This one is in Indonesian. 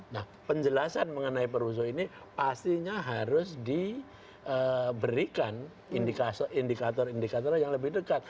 nah penjelasan mengenai perusuh ini pastinya harus diberikan indikator indikator yang lebih dekat